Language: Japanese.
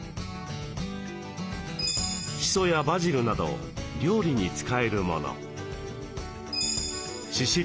シソやバジルなど料理に使えるもの。